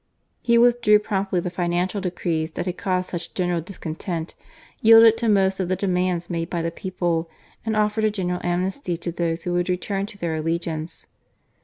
He withdrew promptly the financial decrees that had caused such general discontent, yielded to most of the demands made by the people, and offered a general amnesty to those who would return to their allegiance.